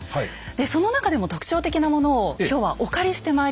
でその中でも特徴的なものを今日はお借りしてまいりました。